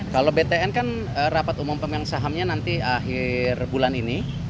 kalau btn kan rapat umum pemegang sahamnya nanti akhir bulan ini